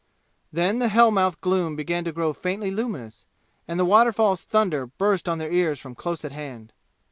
Then the hell mouth gloom began to grow faintly luminous, and the waterfall's thunder burst on their ears from close at hand.